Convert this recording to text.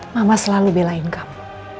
mama selalu belain kamu